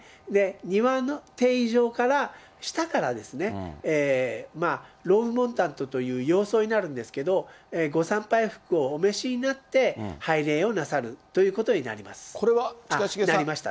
庭の庭上から下からですね、ロングモンタントという洋装になるんですけど、ご参拝服をお召しになって、拝礼をなさるということになりました。